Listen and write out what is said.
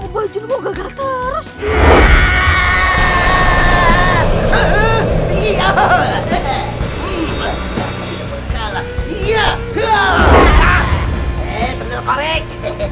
hai hehehe jangan bertawa dulu aku pun kala hehehe kamu datang lagi ya ini rasakan